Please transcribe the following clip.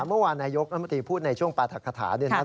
เมื่อวานายยกนำตรีพูดในช่วงปราถคาถา